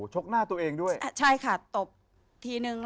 ชกหน้าตัวเองด้วย